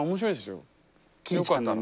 よかったら。